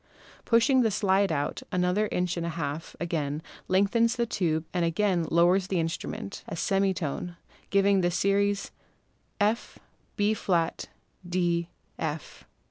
Pushing the slide out another inch and a half again lengthens the tube and again lowers the instrument a semi tone, giving the series F, Bb, D, F.